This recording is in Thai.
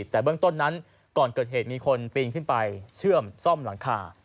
แต่เบื้องต้นนั้นก่อนเกิดเหตุมีคนปีนขึ้นไปเชื่อมซ่อมหลังคา